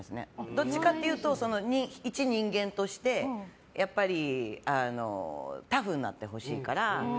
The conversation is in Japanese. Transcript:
どっちかというと、一人間としてやっぱりタフになってほしいから。